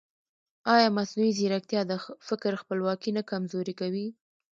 ایا مصنوعي ځیرکتیا د فکر خپلواکي نه کمزورې کوي؟